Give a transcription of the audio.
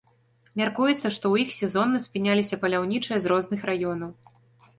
Мяркуецца, што ў іх сезонна спыняліся паляўнічыя з розных раёнаў.